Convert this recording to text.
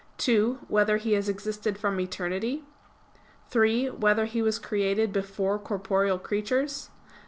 (2) Whether he has existed from eternity? (3) Whether he was created before corporeal creatures?